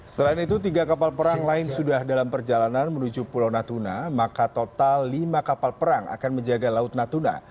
selain itu tiga kapal perang lain sudah dalam perjalanan menuju pulau natuna maka total lima kapal perang akan menjaga laut natuna